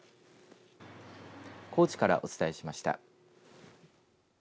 高知からお伝えしました。